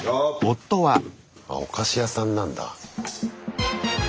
あっお菓子屋さんなんだ。